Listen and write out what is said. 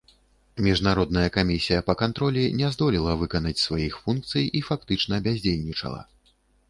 Міжнародная камісія па кантролі не здолела выканаць сваіх функцый і фактычна бяздзейнічала.